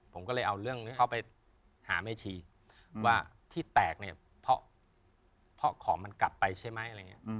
ผมก็เลยเอาเรื่องเข้าไปหาเมธีว่าที่แตกเนี่ยเพราะของมันกลับไปใช่ไหม